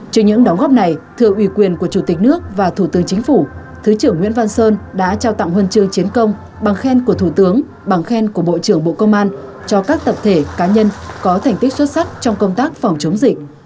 trên những đóng góp này thưa ủy quyền của chủ tịch nước và thủ tướng chính phủ thứ trưởng nguyễn văn sơn đã trao tặng huân chương chiến công bằng khen của thủ tướng bằng khen của bộ trưởng bộ công an cho các tập thể cá nhân có thành tích xuất sắc trong công tác phòng chống dịch